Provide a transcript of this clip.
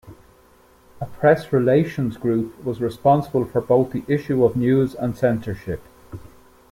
A 'Press Relations' group was responsible for both the issue of news and censorship.